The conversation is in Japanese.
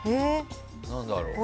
何だろう。